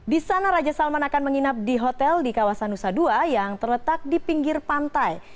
di sana raja salman akan menginap di hotel di kawasan nusa dua yang terletak di pinggir pantai